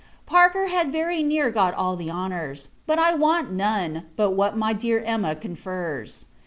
Parker had very near got all the honours; but I want none, but what my dear Emma confers.